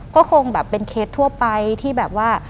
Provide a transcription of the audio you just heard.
ก็คงแบบเป็นเคสทั่วไปที่แบบว่า